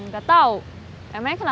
gak tahu emangnya kenapa